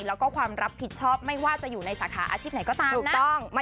แล้วก็ความรับผิดชอบไม่ว่าจะอยู่ในสาขาอาชีพไหนก็ตามนะ